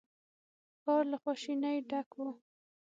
ښار له خواشينۍ ډک و.